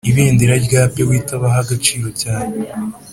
ibendera rya pewter baha agaciro cyane